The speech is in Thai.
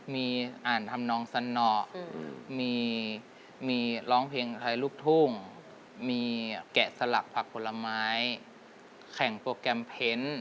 มีอ่านทำนองสนอมีร้องเพลงไทยลูกทุ่งมีแกะสลักผักผลไม้แข่งโปรแกรมเพ้น